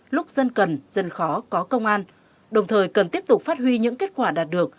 lúc dân cần dân khó có công an đồng thời cần tiếp tục phát huy những kết quả đạt được